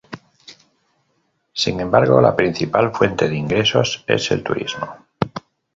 Sin embargo, la principal fuente de ingresos es el turismo.